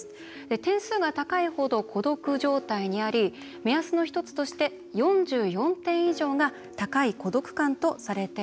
点数が高いほど孤独状態にあり目安の１つとして４４点以上が高い孤独感とされています。